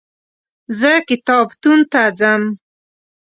زه کتابتون ته ځم.